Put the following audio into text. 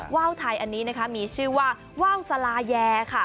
ว่าวไทยอันนี้นะคะมีชื่อว่าว่าวสลาแยค่ะ